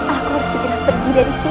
aku harus segera pergi dari sini